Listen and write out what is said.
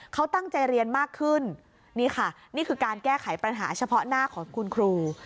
เขาตั้งใจเรียนมากขึ้นนี่ค่ะนี่คือการแก้ไขปัญหาเฉพาะหน้าของคุณครู